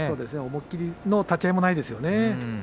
思い切りの立ち合いがないですね。